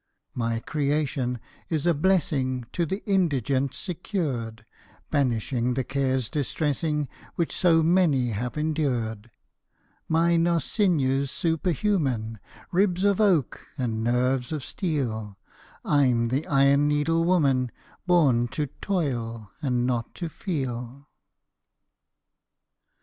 My creation is a blessing To the indigent secured, Banishing the cares distressing Which so many have endured: Mine are sinews superhuman, Ribs of oak and nerves of steel I'm the Iron Needle Woman Born to toil and not to feel.